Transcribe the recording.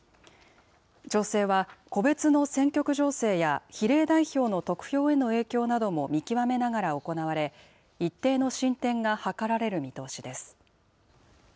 調整は個別の選挙区情勢や比例代表の得票への影響なども見極めながら行われ、一定の進展が図られる見通しです。